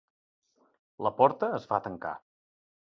La porta es va tancar.